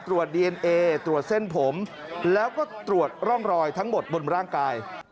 ตรวจดีเอนเอตรวจเส้นผมแล้วก็ตรวจร่องรอยทั้งหมดบนร่างกาย